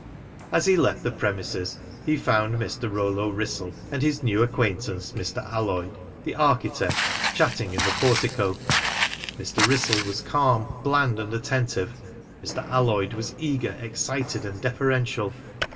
As he left the premises he found Mr. Rollo Wrissell and his own new acquaintance, Mr. Alloyd, the architect, chatting in the portico. Mr. Wrissell was calm, bland, and attentive; Mr. Alloyd was eager, excited, and deferential.